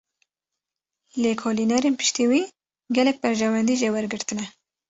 Lêkolînerên piştî wî, gelek berjewendî jê wergirtine